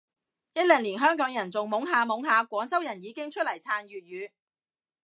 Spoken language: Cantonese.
一零年香港人仲懵下懵下，廣州人已經出嚟撐粵語